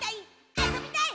あそびたい！」